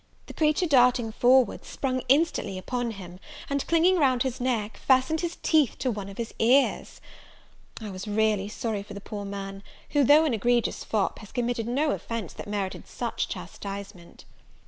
The creature darting forwards, sprung instantly upon him; and, clinging round his neck, fastened his teeth to one of his ears. I was really sorry for the poor man; who, though an egregious fop, had committed no offence that merited such chastisement.